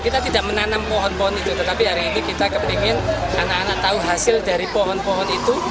kita tidak menanam pohon pohon itu tetapi hari ini kita kepingin anak anak tahu hasil dari pohon pohon itu